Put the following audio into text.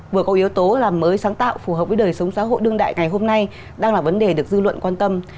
vừa có yếu tố làm mới sáng tạo phù hợp với đời sống xã hội đương đại ngày hôm nay đang là vấn đề được dư luận quan tâm